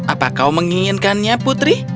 apakah kau menginginkannya putri